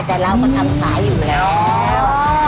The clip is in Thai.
แต่เรามาทำขายอยู่แล้ว